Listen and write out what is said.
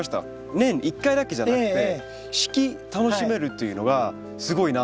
年１回だけじゃなくて四季楽しめるというのがすごいなと思って。